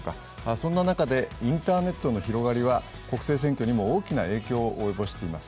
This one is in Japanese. そんな中でインターネットの広がりは国政選挙にも大きな影響を及ぼしています。